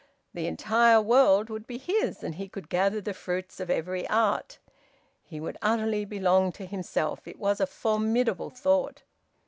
The entire world would be his, and he could gather the fruits of every art. He would utterly belong to himself. It was a formidable thought.